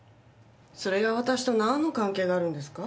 それが私と何の関係があるんですか？